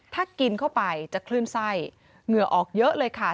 ถ้ากินเข้าไปจะคลื่นไส้เหงื่อออกเยอะเลยค่ะ